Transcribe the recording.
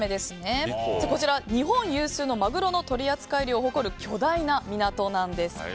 こちら、日本有数のマグロの取扱量を誇る巨大な港なんです。